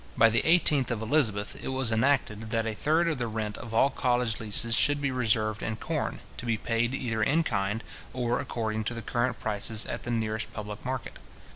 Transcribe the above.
By the 18th of Elizabeth, it was enacted, that a third of the rent of all college leases should be reserved in corn, to be paid either in kind, or according to the current prices at the nearest public market.